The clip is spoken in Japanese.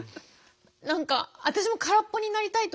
何か私も空っぽになりたいと思って。